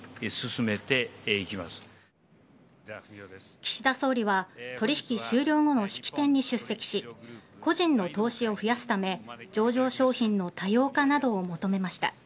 岸田総理は取引終了後の式典に出席し個人の投資を増やすため上場商品の多様化などを求めました。